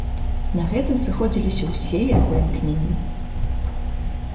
На гэтым сыходзіліся ўсе яго імкненні.